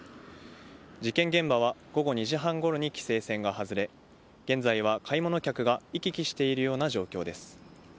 事件現場は午後２時半ごろに規制線が外れ現在は買い物客が行き来しているような状況です。